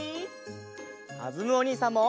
かずむおにいさんも！